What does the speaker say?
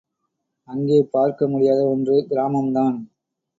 அங்கே பார்க்க முடியாத ஒன்று கிராமம் தான்.